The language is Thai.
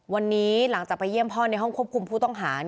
วันนี้หลังจากไปเยี่ยมพ่อในห้องควบคุมผู้ต้องหา